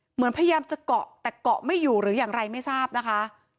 เหมือนพยายามจะเกาะแต่เกาะไม่อยู่หรืออย่างไรไม่ทราบนะคะ